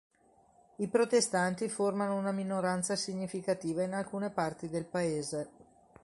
I protestanti formano una minoranza significativa in alcune parti del paese.